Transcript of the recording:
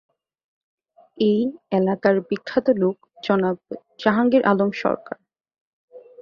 এই এলাকার বিখ্যাত লোক জনাব, জাহাঙ্গীর আলম সরকার।